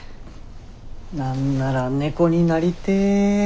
何なら猫になりてえ。